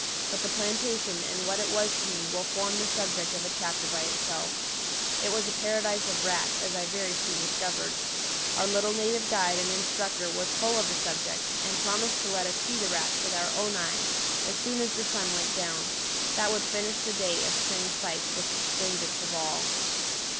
But the plantation and what it was to me will form the subject of a chapter by itself. It was a paradise of rats, as I very soon discovered. Our little native guide and instructor was full of the subject, and promised to let us see the rats with our own eyes as soon as the sun went down; that would finish the day of strange sights with the strangest of all.